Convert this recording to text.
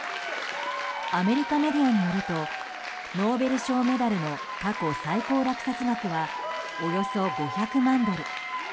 アメリカメディアによるとノーベル賞メダルの過去最高落札額はおよそ５００万ドル。